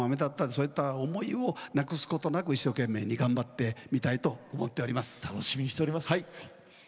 そういう思いをなくすことなく一生懸命に頑張ってみたいと思っております。